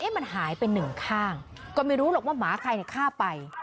มันหายไปหนึ่งข้างก็ไม่รู้หรอกว่าหมาใครฆ่าไป